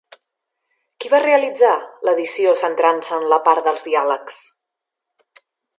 Qui va realitzar l'edició centrant-se en la part dels diàlegs?